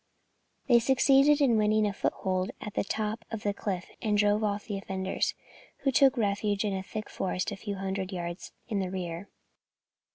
They succeeded in winning a foothold at the top of the cliff and drove off the defenders, who took refuge in a thick forest a few hundred yards in the rear.